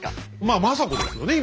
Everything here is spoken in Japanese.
まあ政子ですよね